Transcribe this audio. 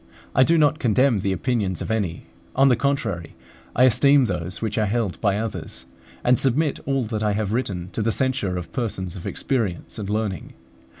I do not condemn the opinions of any: on the contrary, I esteem those which are held by others, and submit all that I have written to the censure of persons of experience and learning.